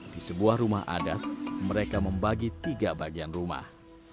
di sebuah rumah adat mereka membagi tiga bagian rumah